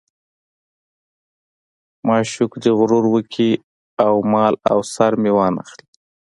معشوق دې غرور وکړي او مال او سر مې وانه خلي.